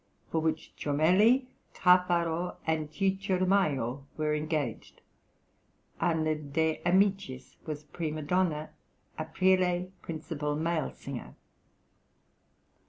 } (124) for which Jomelli, Caffaro, and Ciccio di Majo were engaged; Anna de Amicis was prima donna, Aprile principal male singer.